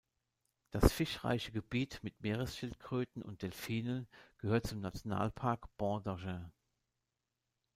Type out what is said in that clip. Das fischreiche Gebiet mit Meeresschildkröten und Delfinen gehört zum Nationalpark Banc d’Arguin.